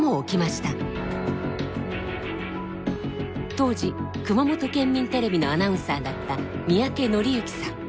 当時熊本県民テレビのアナウンサーだった三宅宣行さん。